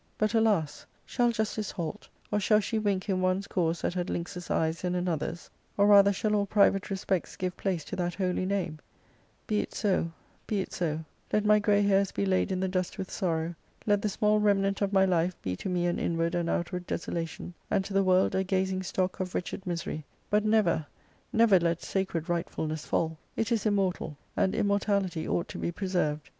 But, alas ! shall justice halt, or shall she wink in one's cause that had lynx's eyes in another's, or rather shall all private respects give place to that holy name 1 Be it so, be it so ; let my gray hairs be laid in the dust with sorrow, let the small remnant of my life be to me an inward and outward desolation, and to the world a gazing stock of wretched misery ; but never, never let sacred rightfulness fall : it is immortal, and immortality ought to be preserved.